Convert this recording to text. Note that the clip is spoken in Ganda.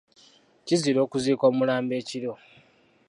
Kizira okuziika omulambo ekiro.